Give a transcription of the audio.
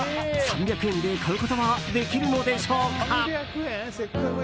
３００円で買うことはできるんでしょうか。